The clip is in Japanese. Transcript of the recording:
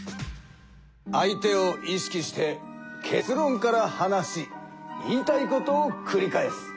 相手を意識して結論から話し言いたいことをくり返す。